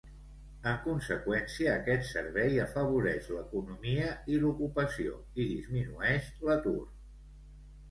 En conseqüència, aquest servei afavoreix l'economia i l'ocupació, i disminueix l'atur.